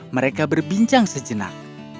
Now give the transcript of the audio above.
mereka berbincang sejenak